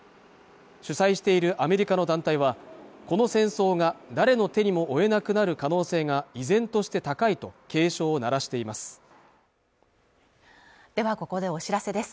主催しているアメリカの団体はこの戦争が誰の手にも負えなくなる可能性が依然として高いと警鐘を鳴らしていますではここでお知らせです